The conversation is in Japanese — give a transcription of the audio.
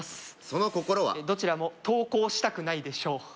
その心はどちらもトウコウしたくないでしょう